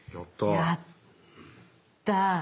やったぁ。